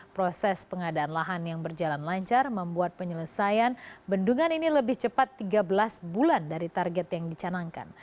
proses pengadaan lahan yang berjalan lancar membuat penyelesaian bendungan ini lebih cepat tiga belas bulan dari target yang dicanangkan